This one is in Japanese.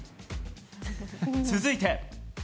続いて。